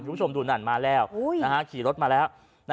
คุณผู้ชมดูนั่นมาแล้วขี่รถมาแล้ว